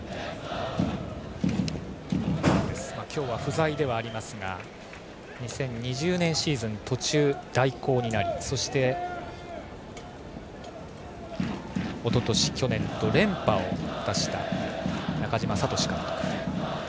中嶋監督は今日は不在ではありますが２０２０年シーズン途中代行になりそして、おととし去年と連覇を果たした中嶋聡監督。